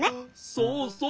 そうそう！